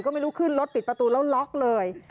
ก็ไม่รู้ขึ้นรถปิดประตูแล้วล็อกเลย